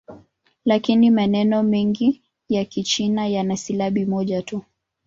Lakini maneno mengi ya Kichina yana silabi moja tu.